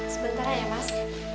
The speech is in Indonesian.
sebentar ya mas